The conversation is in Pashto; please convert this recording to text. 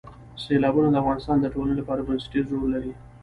سیلابونه د افغانستان د ټولنې لپاره یو بنسټیز رول لري.